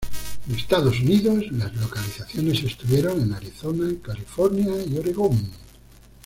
En Estados Unidos, las locaciones estuvieron en Arizona, California y Oregon.